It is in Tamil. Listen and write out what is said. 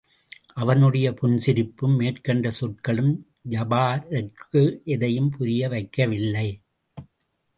அவனுடைய புன்சிரிப்பும், மேற்கண்ட சொற்களும் ஜபாரக்கிற்கு எதையும் புரிய வைக்கவில்லை.